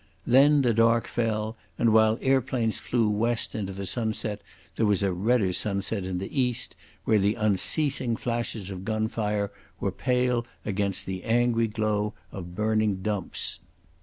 Then the dark fell, and while airplanes flew west into the sunset there was a redder sunset in the east, where the unceasing flashes of gunfire were pale against the angry glow of burning dumps.